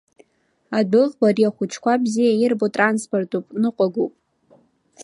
Адәыӷба ари ахәыҷқәа бзиа ирбо транспортуп ныҟәагоуп.